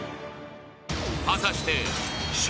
［果たして笑